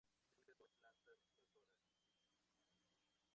Es un experto en plantas invasoras.